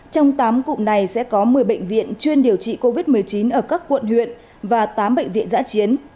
trong tám cụm này sẽ có một mươi bệnh viện chuyên điều trị covid một mươi chín ở các quận huyện và tám bệnh viện giã chiến